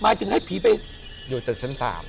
หมายถึงให้ผีไปอยู่ชั้นสาม